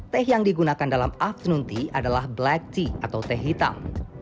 teh yang digunakan dalam aftua adalah black tea atau teh hitam